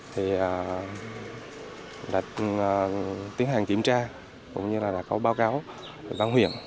thì là tiến hàng kiểm tra cũng như là là có báo cáo về văn huyện